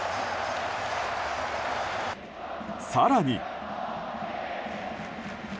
更に。